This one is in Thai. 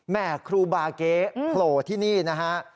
แม่ครูบาเก๊โผล่ที่นี่นะฮะ